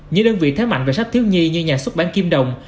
những đơn vị thế mạnh về sách thiếu nhi như nhà xuất bản kim đồng